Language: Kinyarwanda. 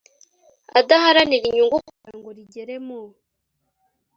adaharanira inyungu kugira ngo rigere mu